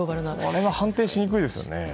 それは判定しにくいですよね。